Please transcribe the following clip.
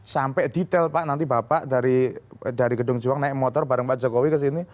sampai detail pak nanti bapak dari gedung juang naik motor bareng pak jokowi kesini